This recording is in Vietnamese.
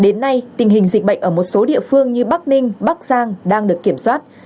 đến nay tình hình dịch bệnh ở một số địa phương như bắc ninh bắc giang đang được kiểm soát